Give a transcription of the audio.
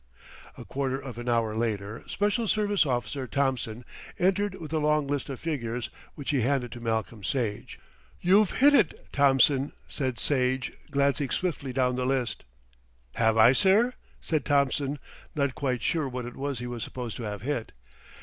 A quarter of an hour later Special Service Officer Thompson entered with a long list of figures, which he handed to Malcolm Sage. "You've hit it, Thompson," said Sage, glancing swiftly down the list. "Have I, sir?" said Thompson, not quite sure what it was he was supposed to have hit.